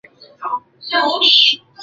他是她的神圣医师和保护者。